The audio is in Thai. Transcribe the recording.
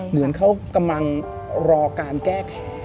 เหมือนเขากำลังรอการแก้ไข